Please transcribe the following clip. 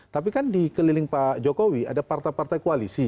tapi kan dikeliling pak jokowi ada partai partai koalisi